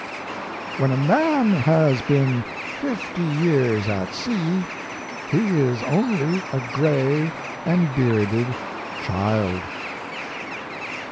"When a man has been fifty years at sea, he is only a gray and bearded child."